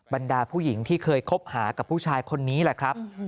บรรดาผู้หญิงที่เคยคบหากับผู้ชายคนนี้แหละครับ